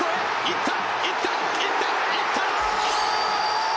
いった。